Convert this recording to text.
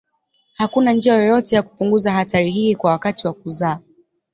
Hakuna njia yoyote ya kupunguza hatari hii wakati wa kuzaa.